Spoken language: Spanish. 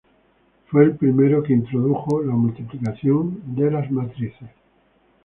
Fue el primero que introdujo la multiplicación de las matrices.